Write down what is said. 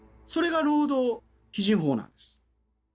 それが「労働基準法」なんです。